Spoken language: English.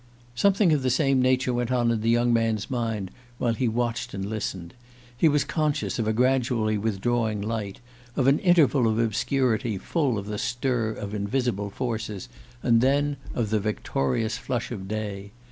Something of the same nature went on in the young man's mind while he watched and listened. He was conscious of a gradually withdrawing light, of an interval of obscurity full of the stir of invisible forces, and then of the victorious flush of day.